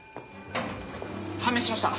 判明しました。